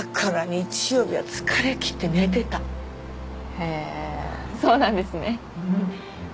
日曜日は疲れ切って寝てたへえーそうなんですね